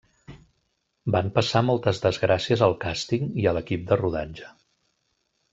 Van passar moltes desgràcies al càsting i a l'equip de rodatge.